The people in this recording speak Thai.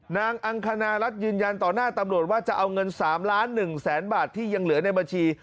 อังคณรัฐยืนยันต่อหน้าตำรวจว่าจะเอาเงิน๓ล้าน๑แสนบาทที่ยังเหลือในบัญชี